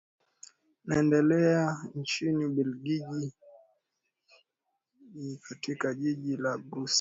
naendelea nchini ubelfiji katika jijini la brussels